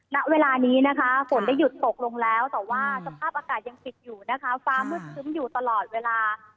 ณเวลานี้นะคะฝนได้หยุดตกลงแล้วแต่ว่าสภาพอากาศยังปิดอยู่นะคะฟ้ามืดครึ้มอยู่ตลอดเวลา